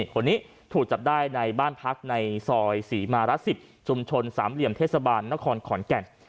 คนนี้ถูกจับได้ในบ้านพักในซอยศรีมารัฐ๑๐ชุมชนสามเหลี่ยมเทศบาลนครขอนแก่น